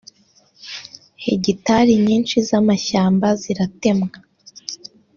hegitari nyinshi z’amashyamba ziratemwa